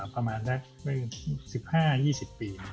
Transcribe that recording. ประมาณ๑๕๒๐ปี